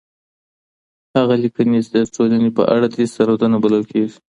هغه ليکنې چي د ټولني په اړه دي، سندونه بلل کيږي.